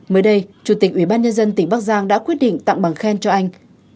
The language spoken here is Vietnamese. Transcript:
mới đây chủ tịch ubnd tỉnh bác giang đã quyết định tặng bằng khen cho anh